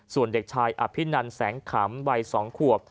ส่วนเด็กชายอภินันแสงขำวัย๒ขวบ